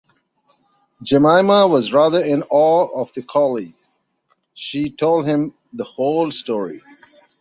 Jemima was rather in awe of the collie; she told him the whole story.